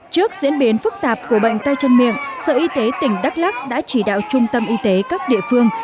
trước diễn biến phức tạp của bệnh tay chân miệng sở y tế tỉnh đắk lắc đã chỉ đạo trung tâm y tế các địa phương